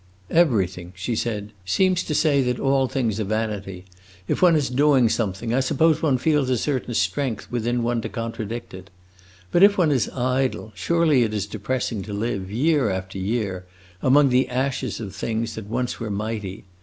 "Everything," she said, "seems to say that all things are vanity. If one is doing something, I suppose one feels a certain strength within one to contradict it. But if one is idle, surely it is depressing to live, year after year, among the ashes of things that once were mighty.